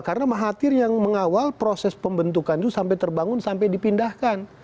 karena mahathir yang mengawal proses pembentukan itu sampai terbangun sampai dipindahkan